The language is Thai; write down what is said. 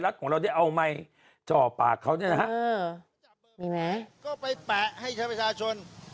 แปะให้ชายประชาชน